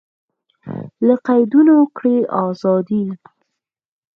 له قیدونو کړئ ازادي